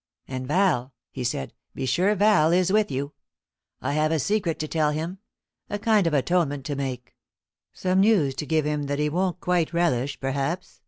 "And Val," he said, "be sure Val is with you. I have a secret to tell him a kind of atonement to make; some news to give him that he won't quite relish, perhaps.